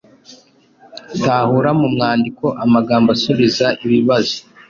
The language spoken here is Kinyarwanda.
Tahura mu mwandiko amagambo asubiza ibibazo